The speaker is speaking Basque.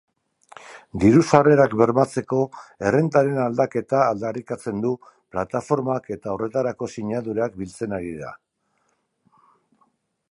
Diru-sarrerak bermatzeko errentaren aldaketa aldarrikatzen du plataformak eta horretarako sinadurak biltzen ari da.